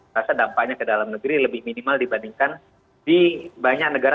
rasa dampaknya ke dalam negeri lebih minimal dibandingkan di banyak negara